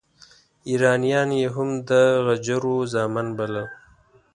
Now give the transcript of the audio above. ایرانیان یې هم د غجرو زامن بلل.